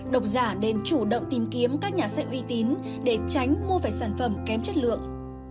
một động tìm kiếm các nhà sách uy tín để tránh mua về sản phẩm kém chất lượng